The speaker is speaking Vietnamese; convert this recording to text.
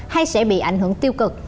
hay sẽ bị ảnh hưởng tiêu cực